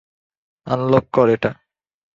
Unlock কর এটা!